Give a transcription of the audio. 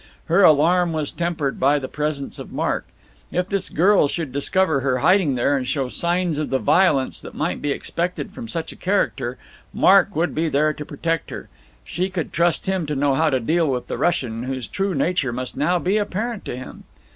Her alarm was tempered by the presence of Mark. If this girl should discover her hiding there and show signs of the violence that might be expected from such a character, Mark would be there to protect her. She could trust him to know how to deal with the Russian, whose true nature must now be apparent to him.